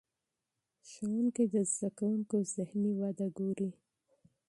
ښوونکي د زده کوونکو ذهني وده ګوري.